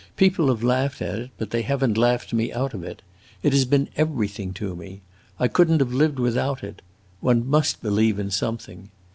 People have laughed at it, but they have n't laughed me out of it. It has been everything to me. I could n't have lived without it. One must believe in something!